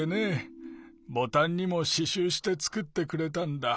ボタンにもししゅうしてつくってくれたんだ。